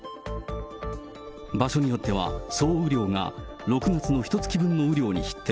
場所によっては総雨量が６月のひとつき分の雨量に匹敵。